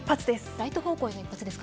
ライト方向の一発ですか